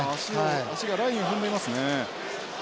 足がラインを踏んでいますね。